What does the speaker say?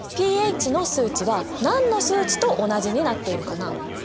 ｐＨの数値は何の数値と同じになっているかな？